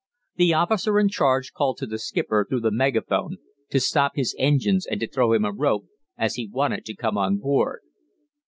The officer in charge called to the skipper through the megaphone to stop his engines and to throw him a rope, as he wanted to come on board.